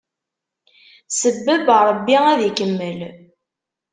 Sebbeb, Ṛebbi ad ikemmel!